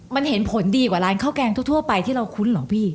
มันเห็นผลดีกว่าร้านข้าวแกงทั่วไปที่เราคุ้นเหรอพี่